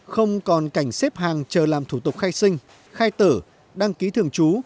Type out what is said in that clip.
không còn cảnh xếp hàng chờ làm thủ tục khai sinh khai tử đăng ký thường trú